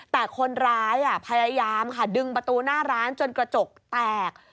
แต่คนร้ายพยายามค่ะดึงประตูหน้าร้านจนกระจกแตก